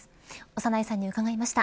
長内さんに伺いました。